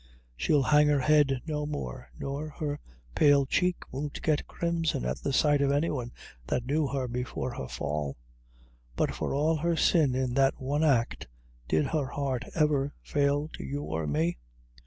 She'll hang her head no more, nor her pale cheek won't get crimson at the sight of any one that knew her before her fall; but for all her sin in that one act, did her heart ever fail to you or me?